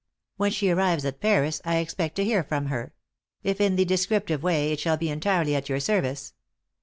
When she arrives at Paris, I expect to hear from her; if in the descriptive way, it shall be entirely at your service.